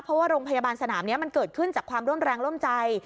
เพราะว่าโรงพยาบาลสนามนี้มันเกิดขึ้นจากความร่วมแรงร่วมใจ